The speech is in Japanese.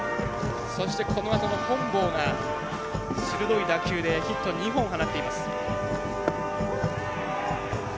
このあとの本坊が鋭い打球でヒット２本、放っています。